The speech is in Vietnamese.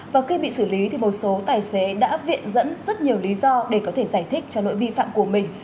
và khi bị xử lý thì một số tài xế đã viện dẫn rất nhiều lý do để có thể giải thích cho lỗi vi phạm của mình